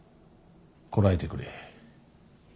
こらえてくれ。